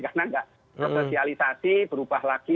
karena nggak sosialisasi berubah lagi